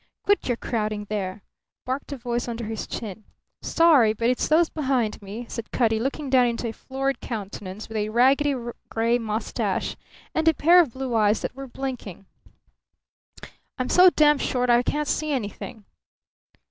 "Quit your crowding there!" barked a voice under his chin. "Sorry, but it's those behind me," said Cutty, looking down into a florid countenance with a raggedy gray moustache and a pair of blue eyes that were blinking. "I'm so damned short I can't see anything!"